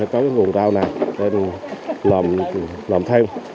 có nguồn rau này nên làm thêm